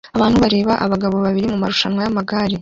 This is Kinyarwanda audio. Abantu bareba abagabo babiri mumarushanwa yamagare